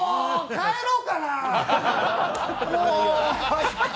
帰ろうかな！